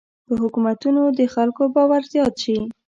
په حکومتونو د خلکو باور زیات شي.